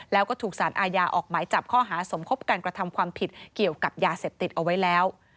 แล้วก็ถูกสารอาญาออกหมายจับข้อหาสมคบการกระทำความผิดเกี่ยวกับยาเสพติดเอาไว้แล้ว